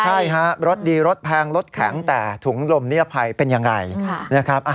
ใช่ฮะรถดีรถแพงรถแข็งแต่ถุงลมนิรภัยเป็นอย่างไรนะครับ